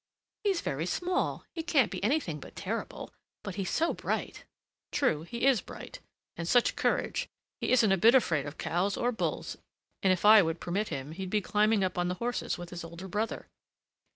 "He's very small! he can't be anything but terrible; but he's so bright!" "True, he is bright: and such courage! he isn't a bit afraid of cows or bulls, and if I would permit him, he'd be climbing up on the horses with his older brother."